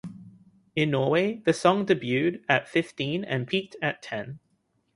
In Norway, the song debuted at fifteen and peaked at ten.